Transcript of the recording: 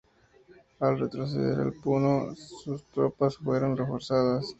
Al retroceder a Puno, sus tropas fueron reforzadas.